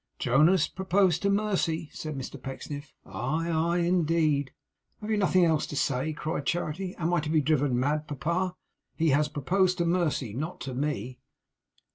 'Jonas proposed to Mercy?' said Mr Pecksniff. 'Aye, aye! Indeed!' 'Have you nothing else to say?' cried Charity. 'Am I to be driven mad, papa? He has proposed to Mercy, not to me.